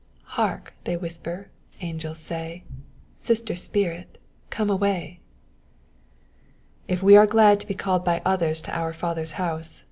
'* flark ! they whisper : anecis say, Sister spirit, come away." If we are glad to be called by others to our Father's house?